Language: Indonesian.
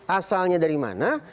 asalnya dari mana